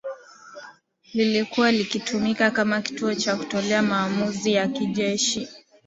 lilikuwa likitumika kama kituo cha kutolea maamuzi ya kijeshi